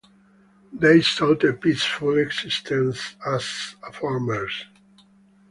They sought a peaceful existence as farmers.